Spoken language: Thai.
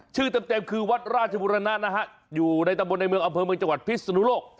ชื่อเต็มคือวัดราชบุรณะนะฮะอยู่ในตำบลในเมืองอำเภอเมืองจังหวัดพิศนุโลก